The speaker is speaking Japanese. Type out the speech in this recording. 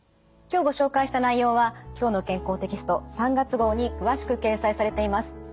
今日ご紹介した内容は「きょうの健康」テキスト３月号に詳しく掲載されています。